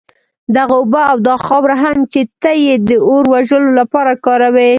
دغه اوبه او دا خاوره هم چي ته ئې د اور وژلو لپاره كاروې